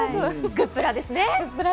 グップラです。